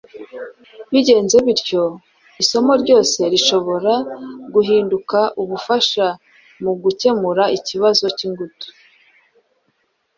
Bigenze bityo, isomo ryose rishobora guhinduka ubufasha mu gukemura ikibazo cy’ingutu